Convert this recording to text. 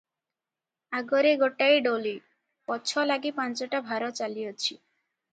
ଆଗରେ ଗୋଟାଏ ଡୋଲି, ପଛଲାଗି ପାଞ୍ଚଟା ଭାର ଚାଲିଅଛି ।